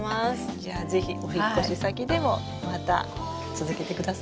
じゃあ是非お引っ越し先でもまた続けてくださいね。